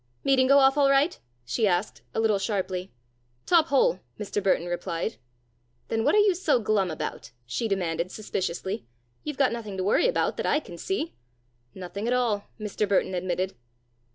"Meeting go off all right?" she asked, a little sharply. "Top hole," Mr. Burton replied. "Then what are you so glum about?" she demanded, suspiciously. "You've got nothing to worry about that I can see." "Nothing at all," Mr. Burton admitted.